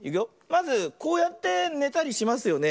まずこうやってねたりしますよね。